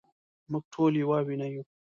مونږ ټول يوه وينه يو